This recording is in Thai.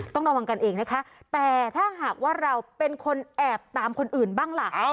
ต้องระวังกันเองนะคะแต่ถ้าหากว่าเราเป็นคนแอบตามคนอื่นบ้างล่ะ